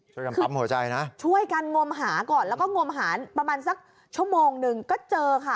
ช่วยกันปั๊มหัวใจนะช่วยกันงมหาก่อนแล้วก็งมหาประมาณสักชั่วโมงหนึ่งก็เจอค่ะ